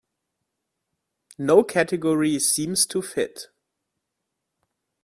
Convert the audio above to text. No category seems to fit.